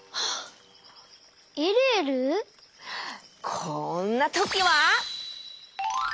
こんなときは！